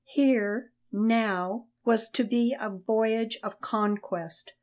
Here, now, was to be a voyage of conquest.